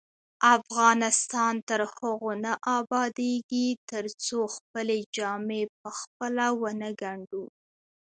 افغانستان تر هغو نه ابادیږي، ترڅو خپلې جامې پخپله ونه ګنډو.